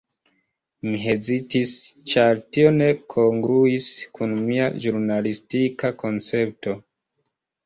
Mi hezitis, ĉar tio ne kongruis kun mia ĵurnalistika koncepto.